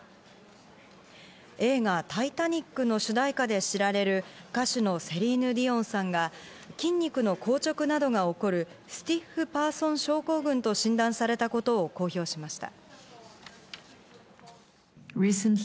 映画『タイタニック』の主題歌で知られる歌手のセリーヌ・ディオンさんが筋肉の硬直などが起こる、スティッフパーソン症候群と診断されたことを公表しました。